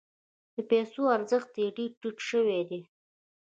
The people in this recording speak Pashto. د پیسو ارزښت یې ډیر ټیټ شوی دی.